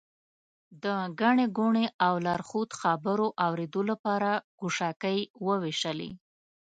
د ګڼې ګوڼې او لارښود خبرو اورېدو لپاره ګوشکۍ ووېشلې.